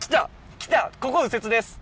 来たここ右折です。